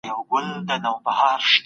ارامتيا تمرين ته اړتيا لري.